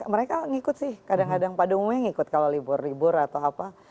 mereka ngikut sih kadang kadang pada umumnya ngikut kalau libur libur atau apa